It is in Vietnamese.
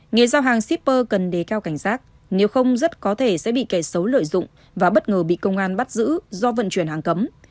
nghề giao hàng shipper cần đề cao cảnh giác nếu không rất có thể sẽ bị kẻ xấu lợi dụng và bất ngờ bị công an bắt giữ do vận chuyển hàng cấm